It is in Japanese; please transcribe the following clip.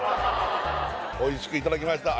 おいしくいただきました